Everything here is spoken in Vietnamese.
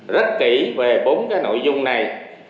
rất kỹ về bốn cái nội dung này